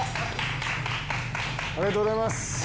ありがとうございます。